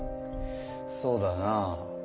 そうだなあ。